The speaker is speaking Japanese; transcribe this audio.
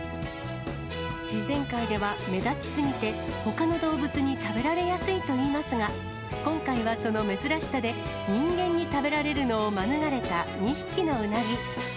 自然界では目立ち過ぎて、ほかの動物に食べられやすいといいますが、今回はその珍しさで、人間に食べられるのを免れた２匹のウナギ。